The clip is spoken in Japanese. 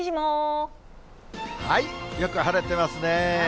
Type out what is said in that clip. よく晴れてますね。